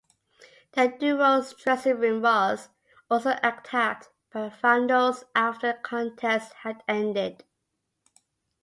The duo's dressing room was also attacked by vandals after the contest had ended.